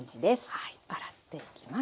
はい洗っていきます。